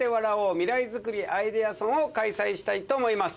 未来づくりアイデアソン」を開催したいと思います。